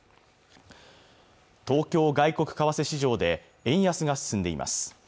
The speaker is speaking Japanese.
東京外国為替市場で円安が進んでいます